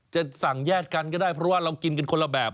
จะสั่งแยกกันก็ได้เพราะว่าเรากินกันคนละแบบ